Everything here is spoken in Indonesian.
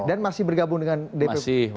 dan masih bergabung dengan dpp p tiga